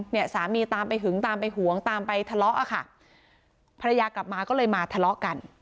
เนี่ยสามีตามไปหึงตามไปหวงตามไปทะเลาะอ่ะค่ะภรรยากลับมาก็เลยมาทะเลาะกัน